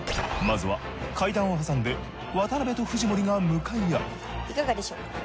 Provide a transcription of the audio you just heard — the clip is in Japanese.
まずは階段を挟んで渡邉と藤森が向かい合う。